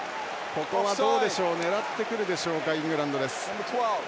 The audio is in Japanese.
ここは狙ってくるでしょうかイングランドです。